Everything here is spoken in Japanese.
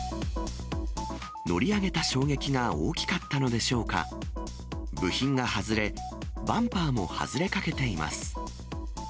乗り上げた衝撃が大きかったのでしょうか、部品が外れ、バンパーも外れかけています。